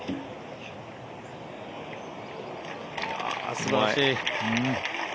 すばらしい。